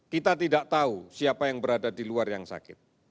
kita tidak tahu siapa yang berada di luar yang sakit